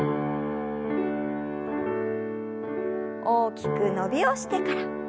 大きく伸びをしてから。